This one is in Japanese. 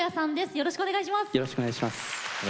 よろしくお願いします。